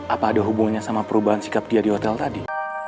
apa ada hubungannya sama perubahan sikap dia di hotel tadi